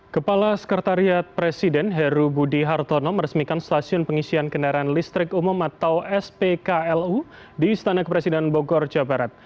kepala sekretariat presiden heru budi hartono meresmikan stasiun pengisian kendaraan listrik umum atau spklu di istana kepresiden bogor jawa barat